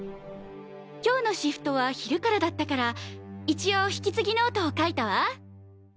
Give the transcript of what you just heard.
今日のシフトは昼からだったから一応引き継ぎノートを書いたわ。